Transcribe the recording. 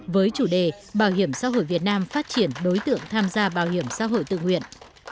với chủ đề bảo hiểm xã hội việt nam phát triển đối tượng tham gia bảo hiểm xã hội tự nguyện